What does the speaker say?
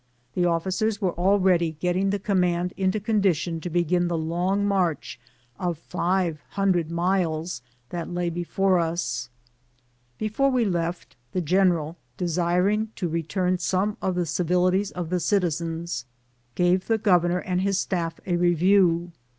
The officers were already getting the command into condition to begin the long march of ^ve hundred miles that lay be fore us. Before we left, the general, desiring to return some of the civilities of the citizens, gave the governor and his staff a review.